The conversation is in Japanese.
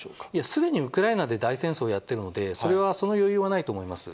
すでにウクライナで大戦争をやっているので、それはその余裕はないと思います。